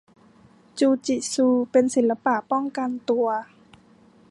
จูจิซูเป็นศิลปะป้องกันตัว